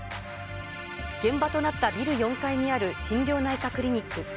現場となったビル４階にある心療内科クリニック。